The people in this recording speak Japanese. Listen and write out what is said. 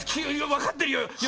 わかってるよ。